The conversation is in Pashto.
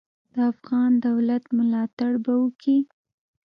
د افغان دولت ملاتړ به وکي.